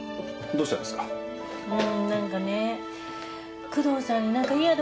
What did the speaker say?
どうしたんですかこれ？